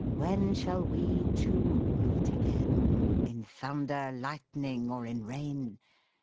"When shall we 'two' meet again In thunder, lightning, or in rain?"